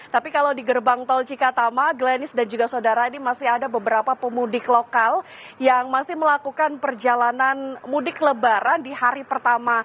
tapi kalau di gerbang tol cikatama glenis dan juga saudara ini masih ada beberapa pemudik lokal yang masih melakukan perjalanan mudik lebaran di hari pertama